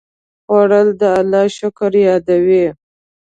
خوړل د الله شکر یادوي